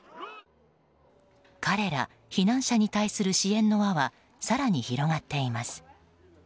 彼ら、避難者に対する支援の輪は更に広がっています。